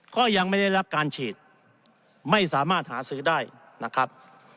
ก็ยังไม่ได้รับการฉีดไม่สามารถหาซื้อได้นะครับ